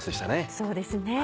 そうですね。